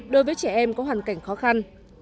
đối với trẻ em có hoàn cảnh khó khăn